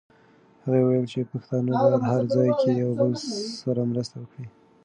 هغې وویل چې پښتانه باید هر ځای کې یو بل سره مرسته وکړي.